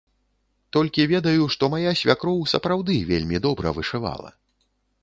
Толькі ведаю, што мая свякроў, сапраўды, вельмі добра вышывала.